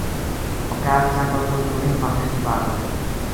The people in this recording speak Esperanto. Okazis ankaŭ kultur-lingva festivalo.